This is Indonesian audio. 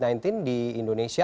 yang di indonesia